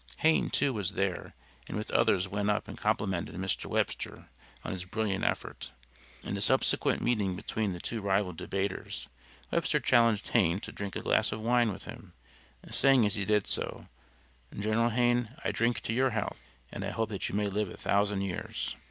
Hayne, too, was there, and with others went up and complimented Mr. Webster on his brilliant effort. In a subsequent meeting between the two rival debators Webster challenged Hayne to drink a glass of wine with him, saying as he did so, "General Hayne I drink to your health, and I hope that you may live a thousand years."